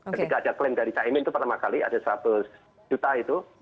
ketika ada klaim dari caimin itu pertama kali ada seratus juta itu